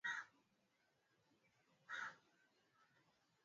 hiyo usalama uko mzuri matokeo ndio kama umesikia tumeyapokea